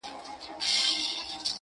پلار دزویه حرام غواړي نه شرمېږي,